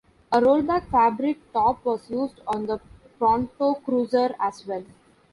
A roll-back fabric top was used on the Pronto Cruizer as well.